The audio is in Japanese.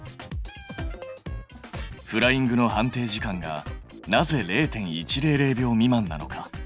フライングの判定時間がなぜ０．１００秒未満なのか。